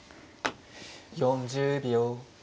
４０秒。